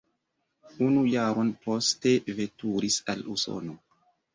Unu jaron poste veturis al Usono.